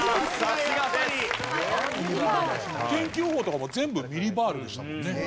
天気予報とかも全部ミリバールでしたもんね。